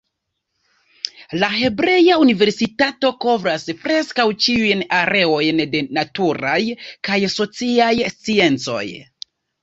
La Hebrea Universitato kovras preskaŭ ĉiujn areojn de naturaj kaj sociaj sciencoj.